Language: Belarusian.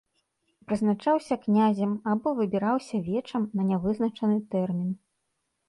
Прызначаўся князем або выбіраўся вечам на нявызначаны тэрмін.